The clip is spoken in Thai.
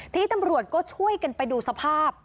ทีนี้ตำรวจก็ช่วยกันไปดูสภาพ